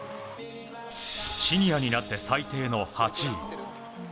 シニアになって最低の８位。